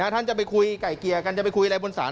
ท่านจะไปคุยไก่เกลี่ยกันจะไปคุยอะไรบนศาล